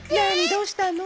どうしたの？